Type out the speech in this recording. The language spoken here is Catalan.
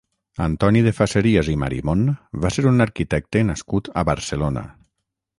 Antoni de Facerias i Marimon va ser un arquitecte nascut a Barcelona.